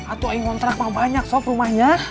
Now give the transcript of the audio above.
ah tuan yang kontrak mau banyak sop rumahnya